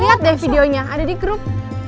liat deh videonya ada di group